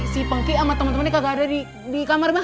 dan aku sama temen temennya gak ada di kamar bang